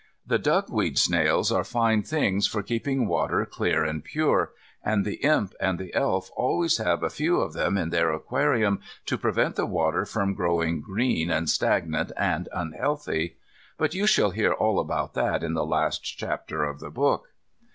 The duckweed snails are fine things for keeping water clear and pure, and the Imp and the Elf always have a few of them in their aquarium to prevent the water from growing green and stagnant and unhealthy. But you shall hear all about that in the last chapter of the book.